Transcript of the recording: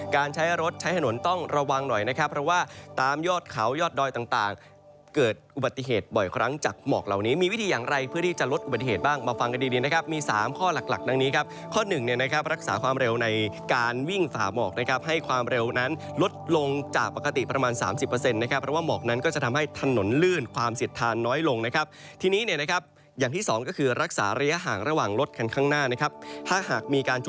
การใช้รถใช้หนนต้องระวังหน่อยนะครับเพราะว่าตามยอดเขายอดดอยต่างเกิดอุบัติเหตุบ่อยครั้งจากหมอกเหล่านี้มีวิธีอย่างไรเพื่อที่จะลดอุบัติเหตุบ้างมาฟังกันดีนะครับมีสามข้อหลักดังนี้ครับข้อ๑เนี่ยนะครับรักษาความเร็วในการวิ่งฝาหมอกนะครับให้ความเร็วนั้นลดลงจากปกติประมาณ๓๐เปอร์เซ็นต์นะคร